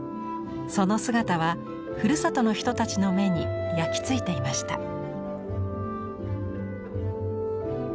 その姿はふるさとの人たちの目に焼き付いていました。